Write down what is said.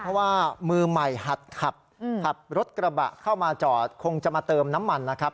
เพราะว่ามือใหม่หัดขับขับรถกระบะเข้ามาจอดคงจะมาเติมน้ำมันนะครับ